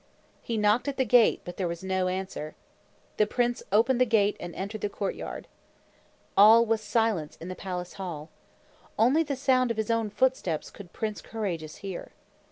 He knocked at the gate, but there was no answer. The prince opened the gate and entered the courtyard. All was silence in the palace hall. Only the sound of his own footsteps could Prince Courageous hear.